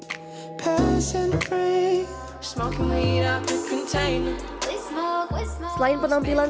selain penampilan spesifikasi